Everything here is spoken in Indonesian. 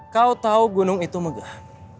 kau tahu gunung itu megah